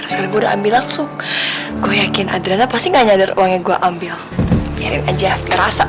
serguna ambil langsung gue yakin adrena pasti nggak nyadar uangnya gua ambil biarin aja kerasa